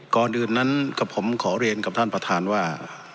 ก่อนอื่นนั้นกับผมขอเรียนกับท่านประธานว่า